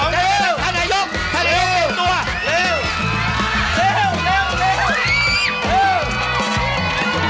ถ้าใหนลุก